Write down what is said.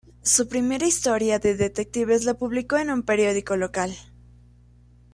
Su primera historia de detectives la publicó en un periódico local.